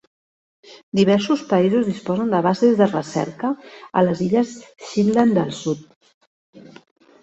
Diversos països disposen de bases de recerca a les illes Shetland del Sud.